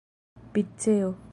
piceo